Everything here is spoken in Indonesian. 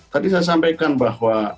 tadi saya sampaikan bahwa